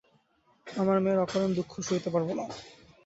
আমার মেয়ের অকারণ দুঃখ সইতে পারব না।